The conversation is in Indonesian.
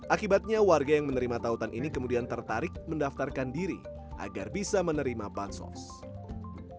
akibatnya warga yang menerima tautan ini kemudian tertarik mendaftarkan diri agar bisa menerima bantuan